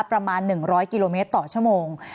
ประมาณหนึ่งร้อยกิโลเมตรต่อชั่วโมง